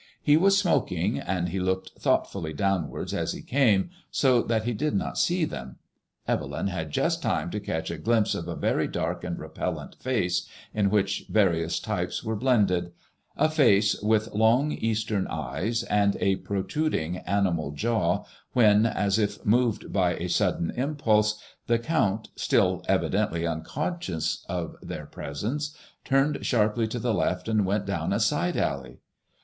He was smoking, and he looked thoughtfully downwards as he came, so that he did not see them. Evelsm had just time to catch a glimpse of a very dark and repellent face, in which various types were blended — a face with long Eastern eyes and a protruding animal jaw, when, as if moved by a sudden impulse, the Count, still evidently uncon scious of their presence, turned sharply to the left and went down a side alley.